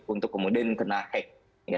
untuk kemudian kena hack